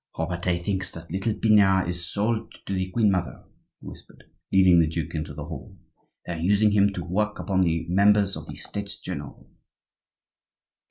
"Robertet thinks that little Pinard is sold to the queen mother," he whispered, leading the duke into the hall; "they are using him to work upon the members of the States general."